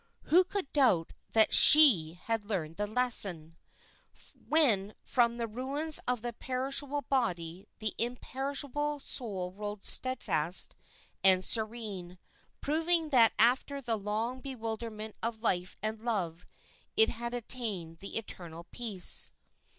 Who could doubt that she had learned the lesson, when from the ruins of the perishable body the imperishable soul rose steadfast and serene, proving that after the long bewilderment of life and love it had attained the eternal peace.